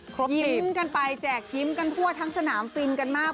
ยิ้มกันไปแจกยิ้มกันทั่วทั้งสนามฟินกันมาก